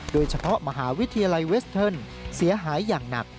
โดยเฉพาะมหาวิทยาลัยเวสเทิร์นเสียหายอย่างหนัก